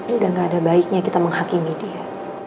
udah gak ada baiknya kita menghakimi dia